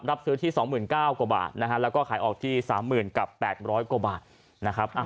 รับซื้อที่๒๙๐๐กว่าบาทนะฮะแล้วก็ขายออกที่๓๐๐๐กับ๘๐๐กว่าบาทนะครับ